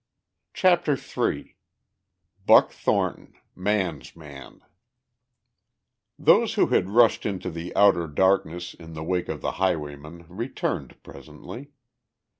CHAPTER III BUCK THORNTON, MAN'S MAN Those who had rushed into the outer darkness in the wake of the highwayman returned presently.